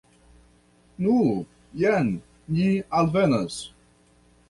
Nu, jen ni alvenas.